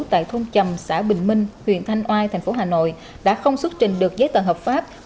tại thông chầm xã bình minh huyện thanh oai tp hà nội đã không xuất trình được giấy tờ hợp pháp